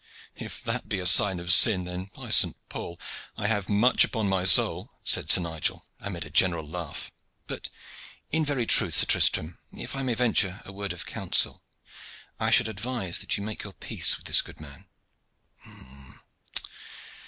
"If that be sign of sin, then, by Saint Paul! I have much upon my soul," said Sir Nigel, amid a general laugh. "But in very truth, Sir Tristram, if I may venture a word of counsel, I should advise that you make your peace with this good man."